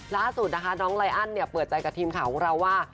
ล่าสุดนะคะน้องไลอันเนี่ยเปิดใจกับทีมข่าวของเราว่า